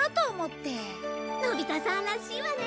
のび太さんらしいわね。